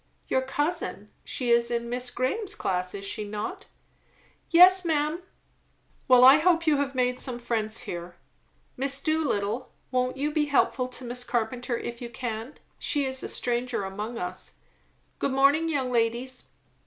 "Your cousin she is in Miss Graham's class, is she not?" "Yes, ma'am." "Well, I hope you have made some friends here. Miss Doolittle, won't you be helpful to Miss Carpenter if you can? she is a stranger among us. Good morning, young ladies!"